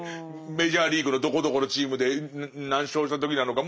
メジャーリーグのどこどこのチームで何勝した時なのか。